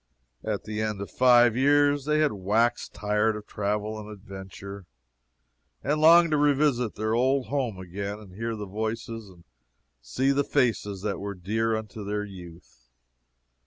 At the end of five years they had waxed tired of travel and adventure, and longed to revisit their old home again and hear the voices and see the faces that were dear unto their youth.